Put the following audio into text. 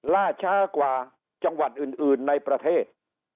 ล่าช้ากว่าจังหวัดอื่นในประเทศ